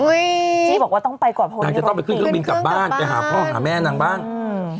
ที่บอกว่าต้องไปก่อนเพราะว่านางจะต้องไปขึ้นเครื่องบินกลับบ้านไปหาพ่อหาแม่นางบ้างอืม